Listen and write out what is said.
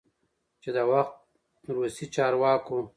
چې د وخت روسی چارواکو،